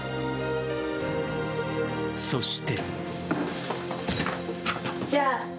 そして。